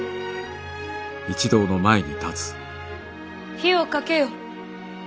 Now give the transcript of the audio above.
火をかけよ。